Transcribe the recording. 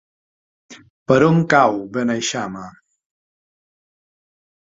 Per on cau Beneixama?